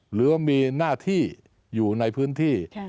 หรือว่ามีหน้าที่อยู่ในพื้นที่